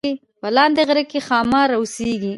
په لاندې غره کې ښامار اوسیږي